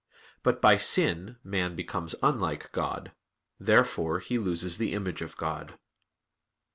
But by sin man becomes unlike God. Therefore he loses the image of God.